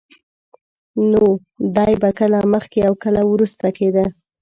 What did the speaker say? نو دی به کله مخکې او کله وروسته کېده.